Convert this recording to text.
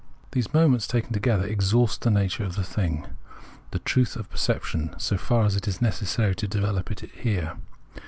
These moments taken together exhaust the nature of the Thing, the truth of perception, so far as it is neces sary to develop it here.